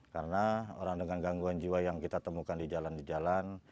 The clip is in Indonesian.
karena orang dengan gangguan jiwa yang kita temukan di jalan jalan